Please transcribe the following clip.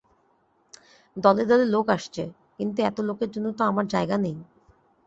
দলে দলে লোক আসছে, কিন্তু এত লোকের জন্য তো আমার জায়গা নেই।